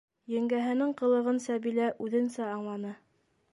Еңгәһенең ҡылығын Сәбилә үҙенсә аңланы: